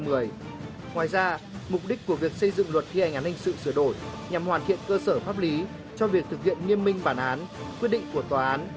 ngoài ra mục đích của việc xây dựng luật thi hành án hình sự sửa đổi nhằm hoàn thiện cơ sở pháp lý cho việc thực hiện nghiêm minh bản án quyết định của tòa án